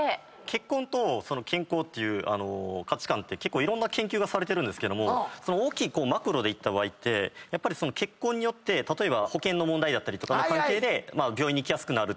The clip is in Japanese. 結婚と健康っていう価値観っていろんな研究されてるんですけど大きいマクロでいった場合やっぱり結婚によって例えば保険の問題とかの関係で病院に行きやすくなる。